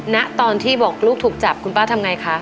ณตอนที่บอกลูกถูกจับคุณป้าทำไงคะ